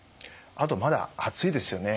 あとまだ暑いですよね。